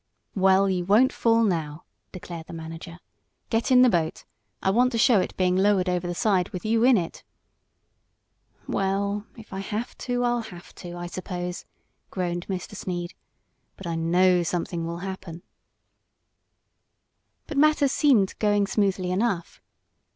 "Well, you won't fall now," declared the manager. "Get in the boat. I want to show it being lowered over the side with you in it." "Well, if I have to I'll have to, I suppose," groaned Mr. Sneed. "But I know something will happen." But matters seemed going smoothly enough.